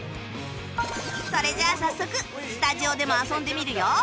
それじゃあ早速スタジオでも遊んでみるよ